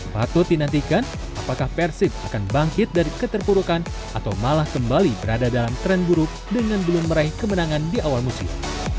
patut dinantikan apakah persib akan bangkit dari keterpurukan atau malah kembali berada dalam tren buruk dengan belum meraih kemenangan di awal musim